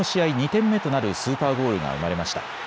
２点目となるスーパーゴールが生まれました。